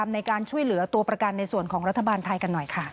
ในการช่วยเหลือตัวประกันในส่วนของรัฐบาลไทยกันหน่อยค่ะ